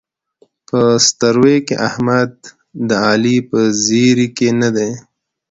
په ستروۍ کې احمد د علي په زېري کې نه دی.